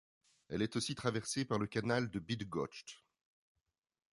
Elle est aussi traversée par le canal de Bydgoszcz.